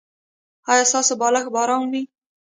ایا ستاسو بالښت به ارام وي؟